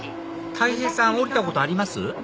たい平さん降りたことあります？